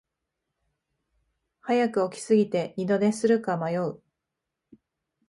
早く起きすぎて二度寝するか迷う